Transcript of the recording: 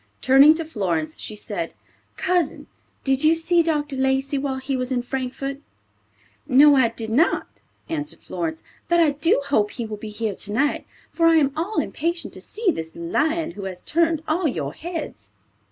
Turning to Florence, she said, "Cousin, did you see Dr. Lacey while he was in Frankfort?" "No; I did not," answered Florence; "but I do hope he will be here tonight, for I am all impatient to see this lion who has turned all your heads."